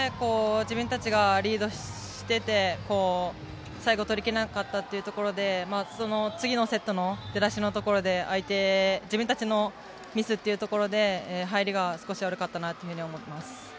自分たちがリードしていて最後取りきれなかったというところで次のセットの出だしのところで自分たちのミスというところで入りが少し悪かったというふうに思っています。